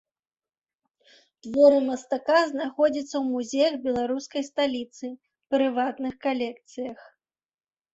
Творы мастака знаходзяцца ў музеях беларускай сталіцы, прыватных калекцыях.